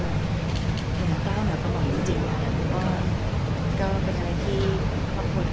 ก็เป็นอะไรที่ขอบคุณทุกคนขึ้นใจขอบคุณค่ะ